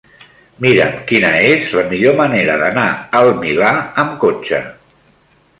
Mira'm quina és la millor manera d'anar al Milà amb cotxe.